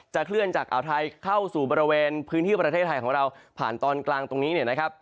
เคลื่อนจากอ่าวไทยเข้าสู่บริเวณพื้นที่ประเทศไทยของเราผ่านตอนกลางตรงนี้เนี่ยนะครับ